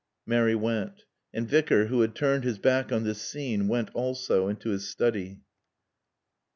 Mary went. The Vicar, who had turned his back on this scene, went, also, into his study.